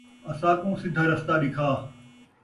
۔ اساکوں سِدھا رَستہ ݙِکھا